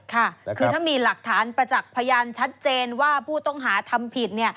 ค่ะคือถ้ามีหลักฐานประจักษ์พยานชัดเจนว่าผู้ต้องหาทำผิดเนี่ย